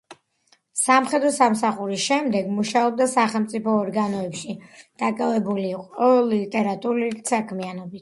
სამხედრო სამსახურის შემდეგ მუშაობდა სახელმწიფო ორგანოებში, დაკავებული იყო ლიტერატურული საქმიანობით.